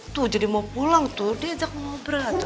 tuh jadi mau pulang tuh diajak ngobrol